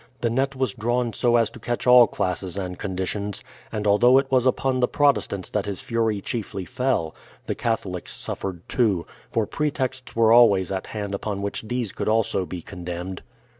The net was drawn so as to catch all classes and conditions; and although it was upon the Protestants that his fury chiefly fell, the Catholics suffered too, for pretexts were always at hand upon which these could also be condemned.